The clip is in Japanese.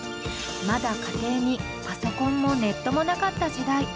まだ家庭にパソコンもネットもなかった時代。